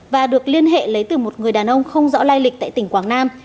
và được liên hệ lấy từ một người đàn ông không rõ lai lịch tại tỉnh quảng nam